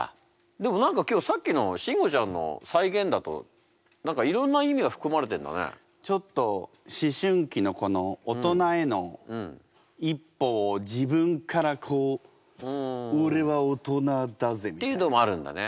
でも何か今日さっきのシンゴちゃんの再現だとちょっと思春期のこの大人への一歩を自分からこうっていうのもあるんだね。